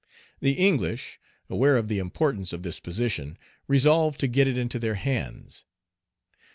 The English, aware of the importance of this position, resolved to get it into their hands.